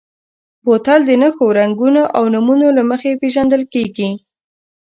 بوتل د نښو، رنګونو او نومونو له مخې پېژندل کېږي.